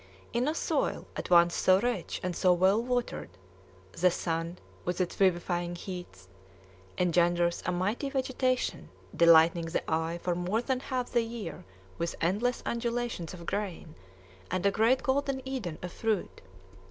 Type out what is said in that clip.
In a soil at once so rich and so well watered, the sun, with its vivifying heats, engenders a mighty vegetation, delighting the eye for more than half the year with endless undulations of grain and a great golden Eden of fruit.